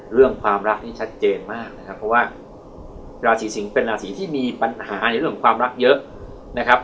เรื่องความรักนี่ชัดเจนมากนะครับเพราะว่าราศีสิงศ์เป็นราศีที่มีปัญหาในเรื่องของความรักเยอะนะครับ